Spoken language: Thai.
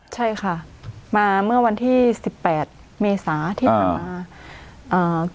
ใช่ค่ะมาเมื่อวันที่๑๘เมษาที่ผ่านมา